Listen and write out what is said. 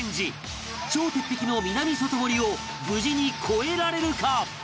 超鉄壁の南外堀を無事に超えられるか？